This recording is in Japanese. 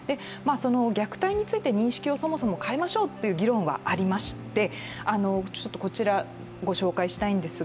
虐待について認識をそもそも変えましょうという議論がありまして、こちらご紹介します